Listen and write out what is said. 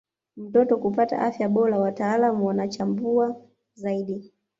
mtoto kupata afya bora wataalam wanachambua zaidi